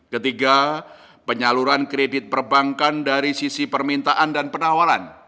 ketiga penyaluran kredit perbankan dari sisi permintaan dan penawaran